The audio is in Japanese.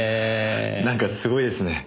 なんかすごいですね。